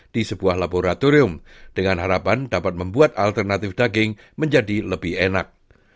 di sebuah laboratorium dengan harapan dapat membuat alternatif daging menjadi lebih enak